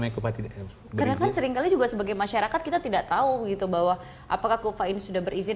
karena kan seringkali juga sebagai masyarakat kita tidak tahu gitu bahwa apakah kufa ini sudah berizin